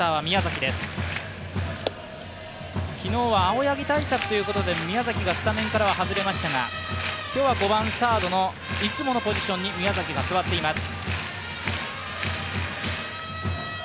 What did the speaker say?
昨日は青柳対策ということで宮崎がスタメンから外れましたが、今日は５番・サードのいつものポジションに宮崎が座っています。